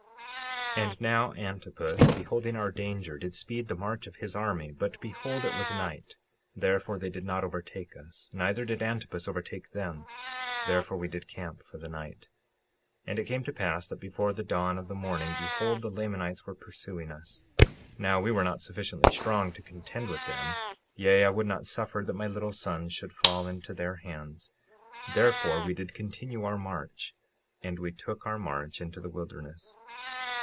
56:38 And now Antipus, beholding our danger, did speed the march of his army. But behold, it was night; therefore they did not overtake us, neither did Antipus overtake them; therefore we did camp for the night. 56:39 And it came to pass that before the dawn of the morning, behold, the Lamanites were pursuing us. Now we were not sufficiently strong to contend with them; yea, I would not suffer that my little sons should fall into their hands; therefore we did continue our march, and we took our march into the wilderness.